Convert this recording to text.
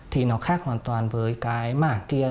thì nó khác hoàn toàn với cái mảng kia